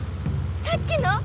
さっきの？